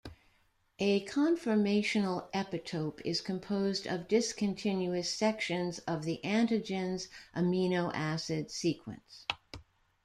A conformational epitope is composed of discontinuous sections of the antigen's amino acid sequence.